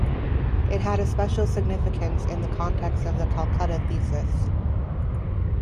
It had a special significance in the context of the 'Calcutta thesis'.